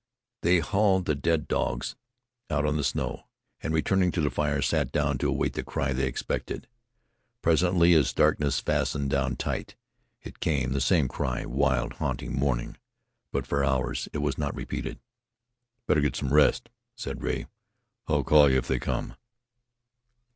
They hauled the dead dogs out on the snow, and returning to the fire sat down to await the cry they expected. Presently, as darkness fastened down tight, it came the same cry, wild, haunting, mourning. But for hours it was not repeated. "Better rest some," said Rea; "I'll call you if they come."